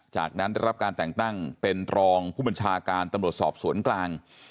จากนั้นได้รับการแต่งตั้งเป็นรองผู้บัญชาการตำรวจสอบสวนกลาง